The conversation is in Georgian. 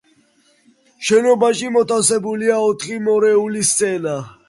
შენობაში მოთავსებულია ოთხი მეორეული სცენა.